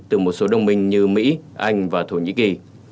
từ một số đồng minh như mỹ anh và thổ nhĩ kỳ